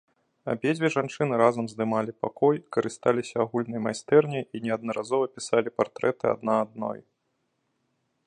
Абедзве жанчыны разам здымалі пакой, карысталіся агульнай майстэрняй і неаднаразова пісалі партрэты адна адной.